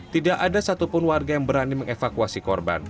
tidak ada satupun warga yang berani mengevakuasi korban